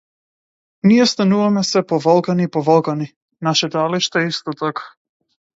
Ние стануваме сѐ повалкани и повалкани, нашите алишта исто така.